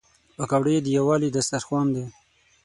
پکورې د یووالي دسترخوان دي